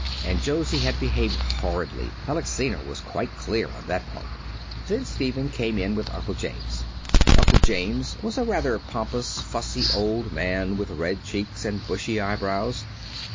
And Josie had behaved horridly. Alexina was quite clear on that point. Then Stephen came with Uncle James. Uncle James was a rather pompous, fussy old man with red cheeks and bushy eyebrows.